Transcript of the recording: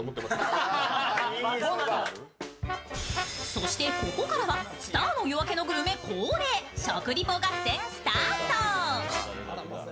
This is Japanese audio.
そしてここからは「スターの夜明けのグルメ」恒例食リポ合戦スタート。